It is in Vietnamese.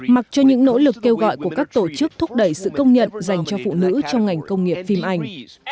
mặc cho những nỗ lực kêu gọi của các tổ chức thúc đẩy sự công nhận dành cho phụ nữ trong ngành công nghiệp phim ảnh